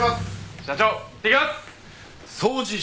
社長いってきます！